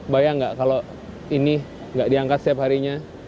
bayang nggak kalau ini nggak diangkat setiap harinya